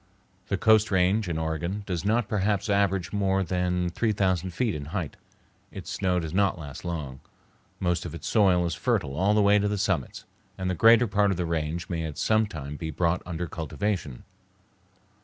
The Coast Range in Oregon does not perhaps average more than three thousand feet in height. Its snow does not last long, most of its soil is fertile all the way to the summits, and the greater part of the range may at some time be brought under cultivation.